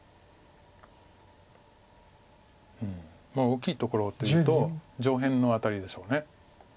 大きいところというと上辺の辺りでしょう。